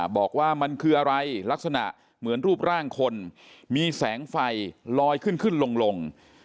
บอกว่ามันคืออะไรลักษณะเหมือนรูปร่างคนมีแสงไฟลอยขึ้นขึ้นลง